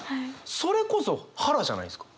それこそ腹じゃないですか。